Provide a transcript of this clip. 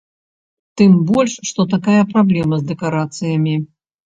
Тым больш, што такая праблема з дэкарацыямі.